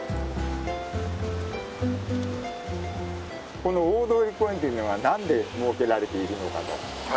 この大通公園っていうのがなんで設けられているのかと。